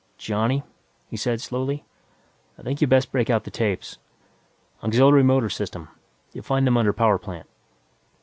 "Johnny," he said slowly, "I think you'd best break out the tapes. Auxiliary motor system; you'll find them under power plant."